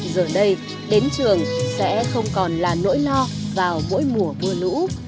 giờ đây đến trường sẽ không còn là nỗi lo vào mỗi mùa mưa lũ